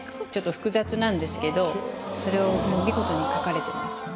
複雑なんですけどそれを見事に描かれてます。